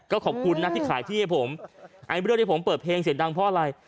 ก็ขอบคุณนะที่ขายที่ให้ผมไอ้เรื่องที่ผมเปิดเพลงเสียงดังเพราะอะไร